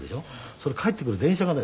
それ帰ってくる電車がね